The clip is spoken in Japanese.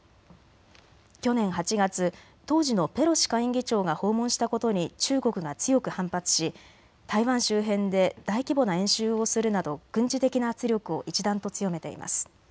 去年８月、当時のペロシ下院議長が訪問したことに中国が強く反発し台湾周辺で大規模な演習をするなど軍事的な圧力を一段と強めています。